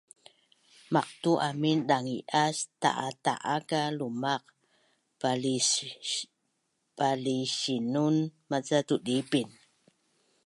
maqtu amin dangi’as ta’a ta’a ka lumaq palisinun maca tudiipin